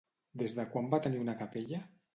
Des de quan va tenir una capella?